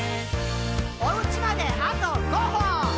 「おうちまであと５歩！」